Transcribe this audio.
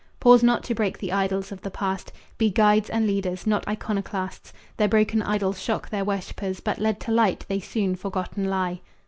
Pause not to break the idols of the past. Be guides and leaders, not iconoclasts. Their broken idols shock their worshipers, But led to light they soon forgotten lie."